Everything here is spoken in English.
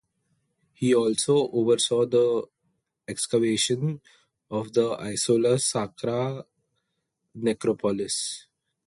He also oversaw the excavation of the Isola Sacra Necropolis.